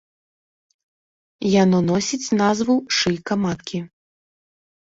Яно носіць назву шыйка маткі.